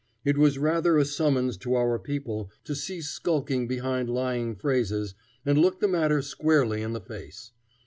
It was rather a summons to our people to cease skulking behind lying phrases and look the matter squarely in the face.